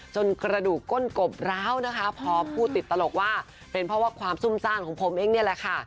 กระดูกก้นกบร้าวนะคะพร้อมพูดติดตลกว่าเป็นเพราะว่าความซุ่มซ่านของผมเองนี่แหละค่ะ